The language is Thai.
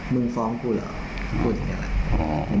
มึงฟ้องกูเหรอพูดอย่างเงี้ยแหละ